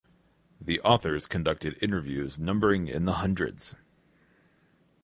The authors conducted interviews numbering in the hundreds.